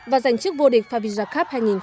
và giành chức vô địch favisa cup hai nghìn một mươi tám